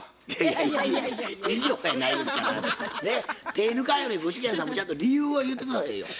手ぇ抜かんように具志堅さんもちゃんと理由を言って下さいよ。